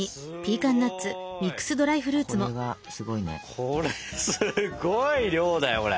これすごい量だよこれ。